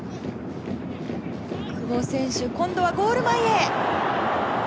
久保選手、今度はゴール前へ。